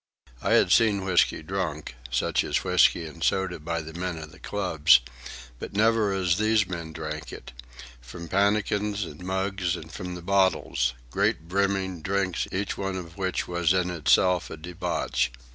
I had seen whisky drunk, such as whisky and soda by the men of the clubs, but never as these men drank it, from pannikins and mugs, and from the bottles—great brimming drinks, each one of which was in itself a debauch.